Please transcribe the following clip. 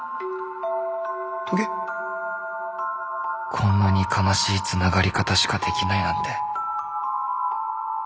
こんなに悲しいつながり方しかできないなんて。